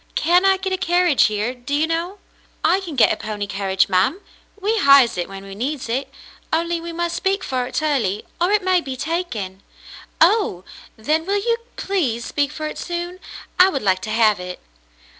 "Can I get a carriage here, do you know.'^" "I can get a pony carriage, ma'm. We hires it when we need it, only we must speak for it early, or it may be taken." " Oh ! Then will you please speak for it soon ? I would like to have it."